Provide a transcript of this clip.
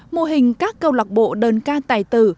mô hình các câu lạc bộ đơn ca tài tử